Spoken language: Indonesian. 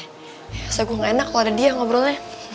rasanya gue gak enak kalo ada dia ngobrolnya